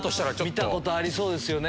見たことありそうですよね。